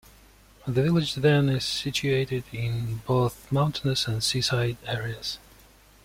The village, then, is situated in both mountainous and seaside areas.